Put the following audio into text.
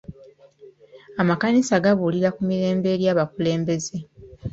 Amakanisa gabuulira ku mirembe eri abakulembeze.